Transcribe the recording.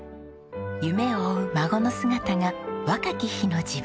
夢を追う孫の姿が若き日の自分と重なります。